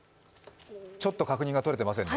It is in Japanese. ちょっと確認が取れていませんが。